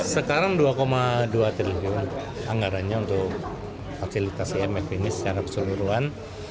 sekarang dua dua triliun anggarannya untuk fasilitas imf ini secara keseluruhan